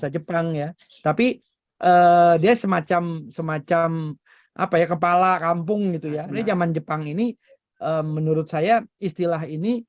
jepang jawa tengah